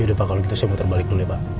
udah pak kalau gitu saya muter balik dulu ya pak